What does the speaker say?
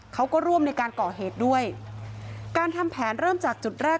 เขาก็ร่วมในการก่อเหตุด้วยการทำแผนเริ่มจากจุดแรก